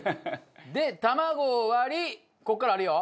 で卵を割りここからあるよ。